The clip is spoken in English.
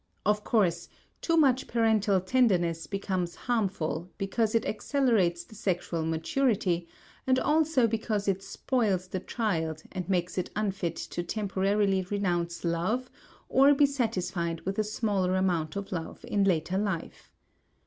Of course, too much parental tenderness becomes harmful because it accelerates the sexual maturity, and also because it "spoils" the child and makes it unfit to temporarily renounce love or be satisfied with a smaller amount of love in later life.